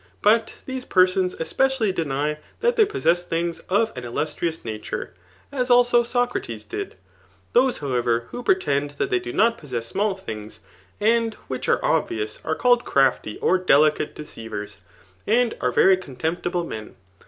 But these persons especially deny that they possess thix^ of an illustrious nature ; as also Socrates did. Those, however, who pretend that they do not possess small things, and which are obvious, are called crafty or delicate deceivers, and are very coiitemptible men.